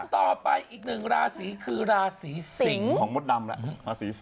ต่อไปอีกหนึ่งราศรีคือราศรีสิงของมดดำ